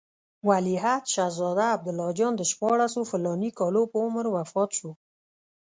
ولیعهد شهزاده عبدالله جان د شپاړسو فلاني کالو په عمر وفات شو.